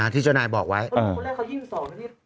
ที่เจ้านายบอกไว้วันแรกเขา๒๒นาที